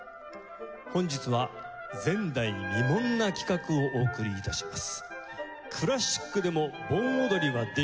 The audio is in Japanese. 本日は前代未聞な企画をお送り致します。